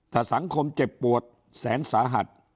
ถ้าสังคมเจ็บปวดแสนสาหัส